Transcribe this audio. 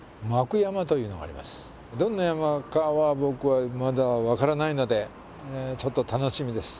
どんな山かは僕はまだ分からないのでちょっと楽しみです。